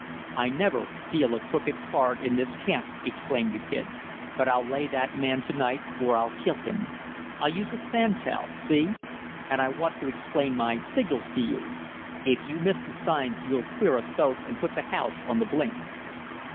"I never dealt a crooked card in this camp," exclaimed the Kid, "but I'll 'lay' that man to night or I'll kill him! I'll use a 'sand tell,' see! And I want to explain my signals to you. If you miss the signs you'll queer us both and put the house on the blink."